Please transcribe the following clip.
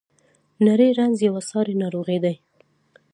نری رنځ یوه ساري ناروغي ده.